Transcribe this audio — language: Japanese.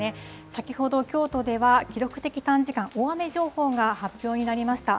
先ほど京都では、記録的短時間大雨情報が発表になりました。